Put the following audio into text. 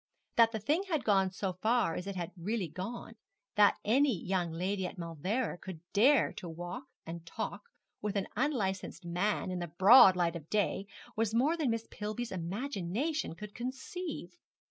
That the thing had gone so far as it really had gone, that any young lady at Mauleverer could dare to walk and talk with an unlicensed man in the broad light of day, was more than Miss Pillby's imagination could conceive.